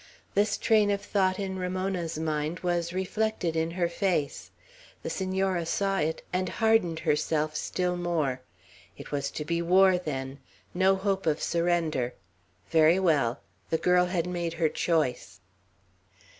This train of thought in Ramona's mind was reflected in her face. The Senora saw it, and hardened herself still more. It was to be war, then. No hope of surrender. Very well. The girl had made her choice.